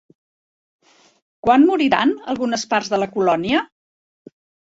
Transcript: Quan moriran algunes parts de la colònia?